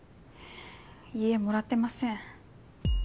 いえもらってません。